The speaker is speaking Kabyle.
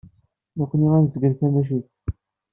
Nekni ad nezgel tamacint.